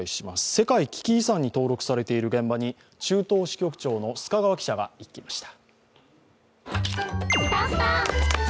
世界危機遺産に登録されている現場に、中東支局長の須賀川記者が行きました。